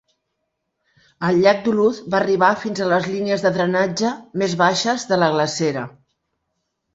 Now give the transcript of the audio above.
El llac Duluth va arribar fins a les línies de drenatge més baixes de la glacera.